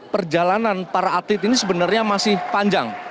perjalanan para atlet ini sebenarnya masih panjang